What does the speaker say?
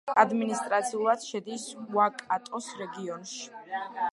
ადმინისტრაციულად შედის უაიკატოს რეგიონში.